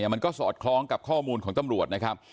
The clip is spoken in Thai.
มันก็สอดคล้องกับข้อมูลของตำรวจนะครับ